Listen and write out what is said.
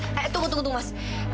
eh tunggu tunggu tunggu mas